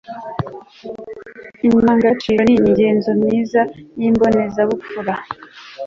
indangagaciro ni imigenzo myiza y'imbonezabupfura